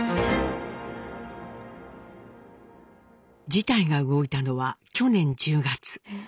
事態が動いたのは去年１０月。